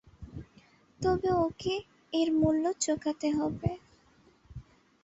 তবে ওকে এর মূল্য চোকাতে হবে।